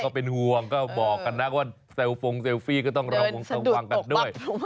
ก็เป็นห่วงก็บอกกันนะว่าเซลฟงเซลฟี่ก็ต้องระวงระวังกันด้วย